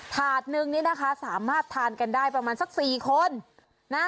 ถาดนึงนี่นะคะสามารถทานกันได้ประมาณสัก๔คนนะ